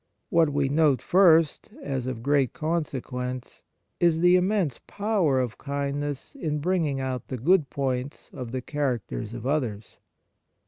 What we note first as of great consequence, is the immense power of kindness in bringing out the good points of the characters of others.